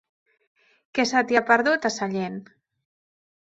Què se t'hi ha perdut, a Sellent?